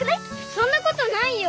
そんなことないよ。